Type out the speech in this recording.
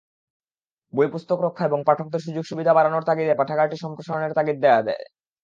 বই-পুস্তক রক্ষা এবং পাঠকদের সুযোগ-সুবিধা বাড়ানোর তাগিদে পাঠাগারটি সম্প্রসারণের তাগিদ দেখা দেয়।